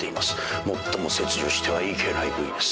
最も切除してはいけない部位です。